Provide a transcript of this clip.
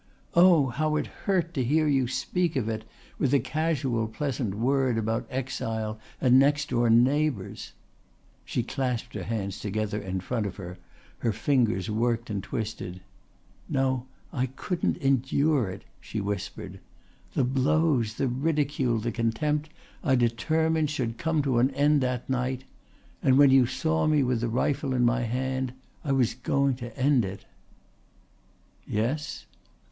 Oh, how it hurt to hear you speak of it, with a casual pleasant word about exile and next door neighbours!" She clasped her hands together in front of her, her fingers worked and twisted. "No, I couldn't endure it," she whispered. "The blows, the ridicule, the contempt, I determined, should come to an end that night, and when you saw me with the rifle in my hand I was going to end it." "Yes?"